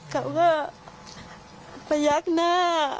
เขาก็พยักหน้า